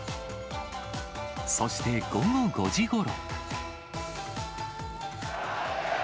そして午後５時ごろ。